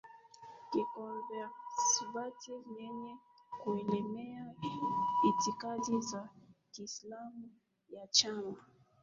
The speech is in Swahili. Ki Conservative yenye kuelemea itikadi za Kiislamu ya Chama